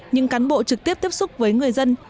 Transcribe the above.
những cán bộ trực tiếp tiếp xúc với người dân